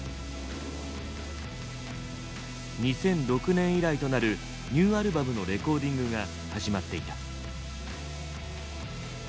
２００６年以来となるニューアルバムのレコーディングが始まっていた。